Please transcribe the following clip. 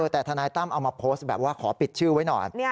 แต่ทนายตั้มเอามาโพสต์แบบว่าขอปิดชื่อไว้ก่อน